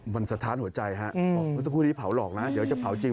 มันสะท้านหัวใจฮะบอกเมื่อสักครู่นี้เผาหลอกนะเดี๋ยวจะเผาจริง